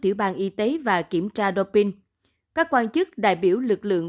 tiểu bang y tế và kiểm tra doping các quan chức đại biểu lực lượng